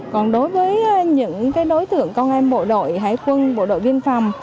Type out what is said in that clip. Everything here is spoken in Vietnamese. còn đối với những cái đối tượng con em bộ đội hải quân bộ đội viên phòng